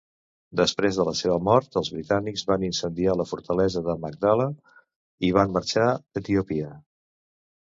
Després de la seva mort, els britànics van incendiar la fortalesa de Magdala i van marxar d'Etiòpia.